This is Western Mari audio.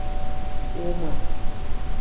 ОМЫН